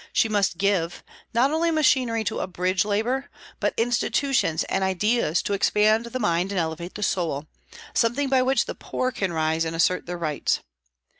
She must give, not only machinery to abridge labor, but institutions and ideas to expand the mind and elevate the soul, something by which the poor can rise and assert their rights.